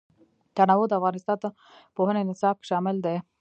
تنوع د افغانستان د پوهنې نصاب کې شامل دي.